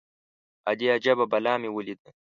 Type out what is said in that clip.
_ادې! اجبه بلا مې وليده.